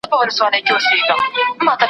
زه به د يادښتونه ترتيب کړی وي؟!